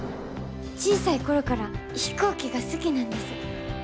小さい頃から飛行機が好きなんです。